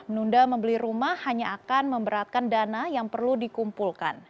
nunda membeli rumah hanya akan memberatkan dana yang perlu dikumpulkan